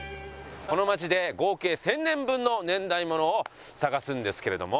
この町で合計１０００年分の年代ものを探すんですけれども。